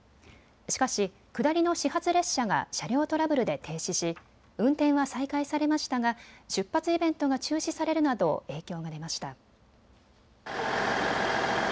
しかし、下りの始発列車が車両トラブルで停止し運転は再開されましたが出発イベントが中止されるなど影響が出ました。